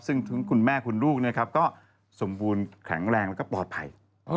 ซึ่งทั้งคุณแม่คุณลูกนะครับก็สมบูรณ์แข็งแรงแล้วก็ปลอดภัย